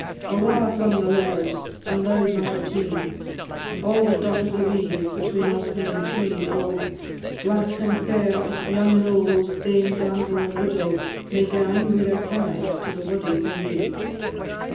Awa' flung the laird, and loud mutter'd he, "All the daughters of Eve, between Orkney and Tweed, O: Black and fair, young and old, dame, damsel, and widow, May gang, wi' their pride, to the wuddy for me."